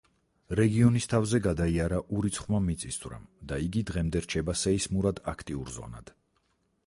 რეგიონის თავზე გადაიარა ურიცხვმა მიწისძვრამ და იგი დღემდე რჩება სეისმურად აქტიურ ზონად.